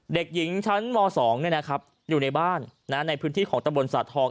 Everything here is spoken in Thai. เด็กหญิงชั้นม๒อยู่ในบ้านในพื้นที่ของตำบลสาทอง